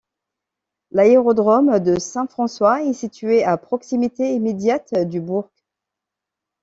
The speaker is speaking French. L'aérodrome de Saint-François est situé à proximité immédiate du bourg.